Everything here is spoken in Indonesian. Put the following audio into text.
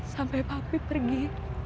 sampai papih pergi